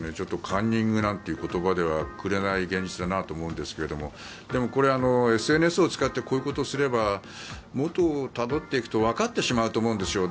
カンニングなんていう言葉ではくくれない現実だなと思いますがでもこれはＳＮＳを使ってこういうことをすれば元をたどっていくとわかってしまうと思うんです。